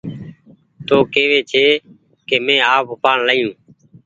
تو ڪيوي ڪي مينٚ آپ اُپآڙين لآيو